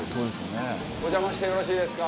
お邪魔してよろしいですか？